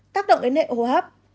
tác động đến nệ hồ hấp